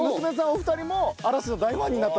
お二人も嵐の大ファンになったそうです。